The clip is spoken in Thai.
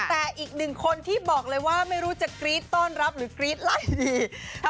แต่อีกหนึ่งคนที่บอกเลยว่าไม่รู้จะกรี๊ดต้อนรับหรือกรี๊ดไล่ดี